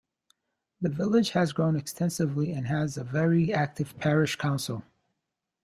The village has grown extensively and has a very active parish council.